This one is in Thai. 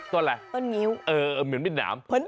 ต้นอะไรเออเหมือนมิดนามต้นงิ้ว